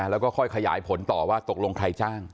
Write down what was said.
แล้วก็ค่อยขยายผลต่อว่าตกลงใครจ้าง